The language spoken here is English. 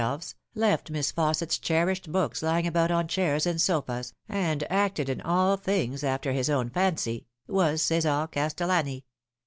Cf^X 198 left Miss Fausset's cherished books lying about on chairs and sofas, and acted in all things after his own fancy, was Cesar Castellani.